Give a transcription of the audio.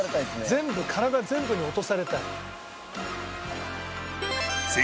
全部体全部に落とされたい。